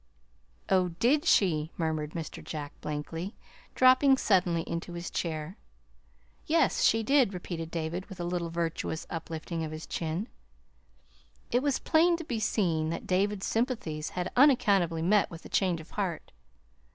"Oh, did she!" murmured Mr. Jack blankly, dropping suddenly into his chair. "Yes, she did," repeated David, with a little virtuous uplifting of his chin. It was plain to be seen that David's sympathies had unaccountably met with a change of heart.